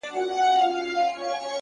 ته به په فکر وې، چي څنگه خرابيږي ژوند،